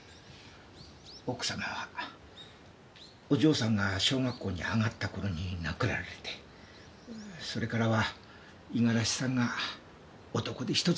奥様はお嬢さんが小学校に上がった頃に亡くなられてそれからは五十嵐さんが男手一つで。